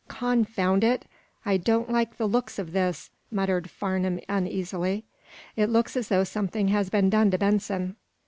"Confound it, I don't like the looks of this," muttered Farnum, uneasily. "It looks as though something had been done to Benson."